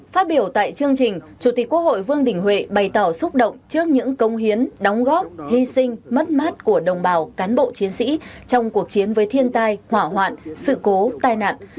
phát biểu tại chương trình chủ tịch quốc hội vương đình huệ bày tỏ xúc động trước những công hiến đóng góp hy sinh mất mát của đồng bào cán bộ chiến sĩ trong cuộc chiến với thiên tai hỏa hoạn sự cố tai nạn